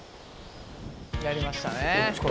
やりましたね。